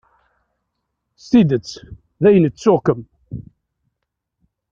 S tidet dayen ttuɣ-kem.